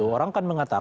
orang kan mengatakan